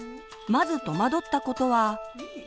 まず戸惑ったことは。